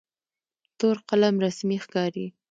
تور قلم رسمي ښکاري.